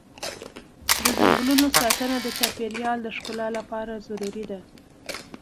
د ځنګلونو ساتنه د چاپېر یال د ښکلا لپاره ضروري ده.